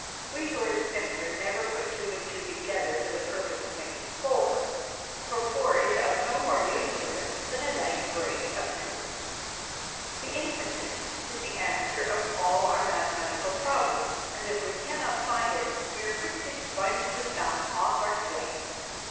We who are simpler never put two and two together for the purpose of making four, for four is of no more use to us than a nice brace of twos. The infinite is the answer of all our mathematical problems, and if we cannot find it we are 244 THE DAY BEFORE YESTERDAY quick to sponge the sum off our slates.